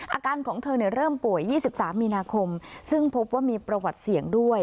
อาการของเธอเริ่มป่วย๒๓มีนาคมซึ่งพบว่ามีประวัติเสี่ยงด้วย